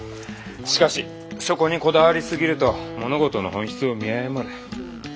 しかしそこにこだわり過ぎると物事の本質を見誤る。